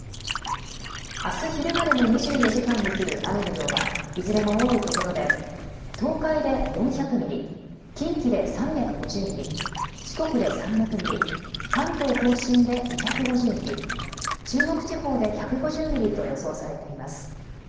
あす昼までの２４時間に降る雨の量は、いずれも多い所で、東海で４００ミリ、近畿で３５０ミリ、四国で３００ミリ、関東甲信で２５０ミリ、中国地方で１５０ミリと予想されています。